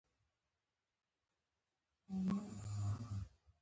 اټکلي ودرېدل.